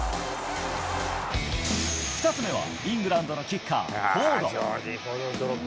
２つ目は、イングランドのキッカー、フォード。